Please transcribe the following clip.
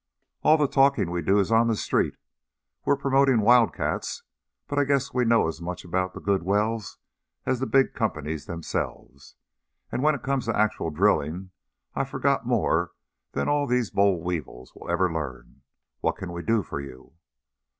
"All the talking we do is on the street. We're promoting wildcats, but I guess we know as much about the good wells as the big companies themselves, and when it comes to actual drilling, I've forgotten more than all these boll weevils will ever learn. What can we do for you?"